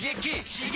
刺激！